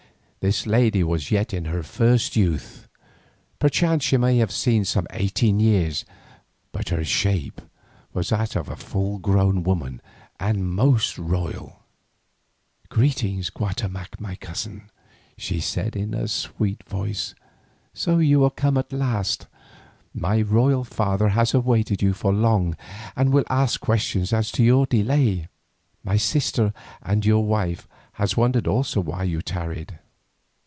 This lady was yet in her first youth, perchance she may have seen some eighteen years, but her shape was that of a full grown woman and most royal. "Greeting, Guatemoc my cousin," she said in a sweet voice; "so you are come at last. My royal father has awaited you for long and will ask questions as to your delay. My sister your wife has wondered also why you tarried."